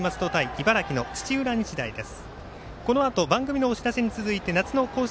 茨城の土浦日大です。